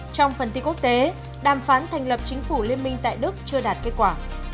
trong phần tin quốc tế đàm phán thành lập chính phủ liên minh tại đức chưa đạt kết quả